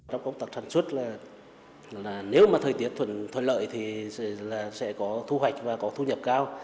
trong công tác sản xuất là nếu mà thời tiết thuận lợi thì sẽ có thu hoạch và có thu nhập cao